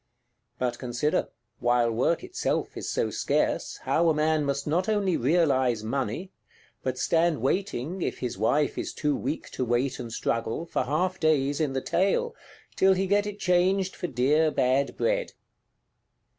But consider, while work itself is so scarce, how a man must not only realise money; but stand waiting (if his wife is too weak to wait and struggle) for half days in the Tail, till he get it changed for dear bad bread!